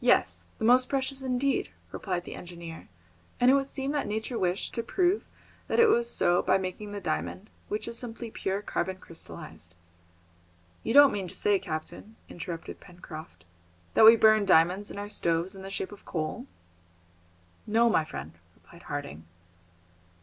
"Yes, the most precious indeed," replied the engineer; "and it would seem that nature wished to prove that it was so by making the diamond, which is simply pure carbon crystallised." "You don't mean to say, captain," interrupted Pencroft, "that we burn diamonds in our stoves in the shape of coal?" "No, my friend," replied Harding.